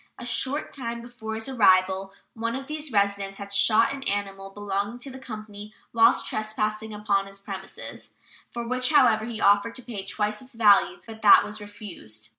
A short time before his arrival one of these residents had shot an animal belonging to the company whilst trespassing upon his premises, for which, however, he offered to pay twice its value, but that was refused.